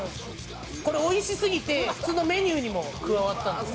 「これおいしすぎて普通のメニューにも加わった」